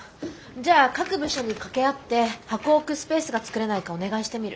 じゃあ各部署に掛け合って箱を置くスペースが作れないかお願いしてみる。